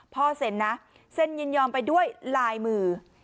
เซ็นนะเซ็นยินยอมไปด้วยลายมือ